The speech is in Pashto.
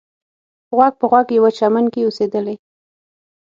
غوږ په غوږ یوه چمن کې اوسېدلې.